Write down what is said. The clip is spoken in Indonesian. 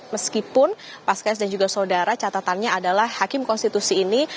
meskipun pas keis dan juga saudara catatannya adalah hakim konstitusi ini